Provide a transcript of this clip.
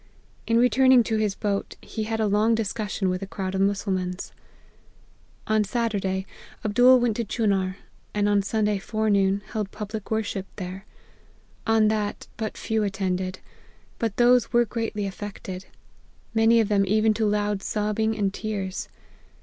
In returning to his boat, he had a long discussion with a crowd of Mussulmans. " On Saturday, Abdool went to Chunar ; and on Sunday forenoon, held public worship there. On that, but few attended ; but those were greatly af fected ; many of them even to loud sobbing and tears.